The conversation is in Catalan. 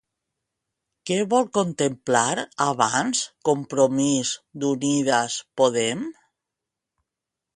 Què vol contemplar abans Compromís d'Unides Podem?